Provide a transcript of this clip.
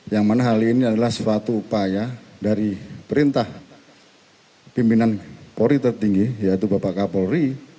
yang mana hal ini adalah suatu upaya dari perintah pimpinan polri tertinggi yaitu bapak kapolri